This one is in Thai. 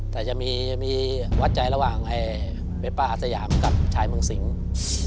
แต่จะมีจะมีวัดใจระหว่างไอ้เวสป้าอาสยามกับชายเมืองสิงค์